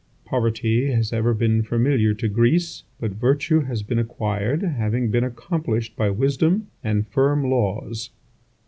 Poverty hast ever been familiar to Greece, but virtue has been acquired, having been accomplished by wisdom and firm laws.